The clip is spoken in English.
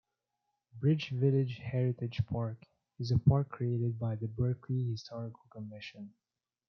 Bridge Village Heritage Park is a park created by the Berkley Historical Commission.